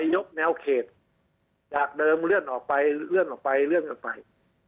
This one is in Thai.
ยกแนวเขตจากเดิมเลื่อนออกไปเลื่อนออกไปเลื่อนออกไป